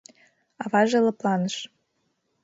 Аваже лыпланыш.